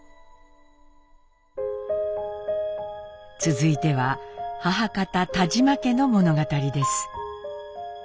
続いては母方田嶋家の物語です。